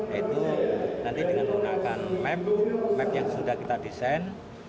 yaitu nanti dengan menggunakan map map yang sudah kita desain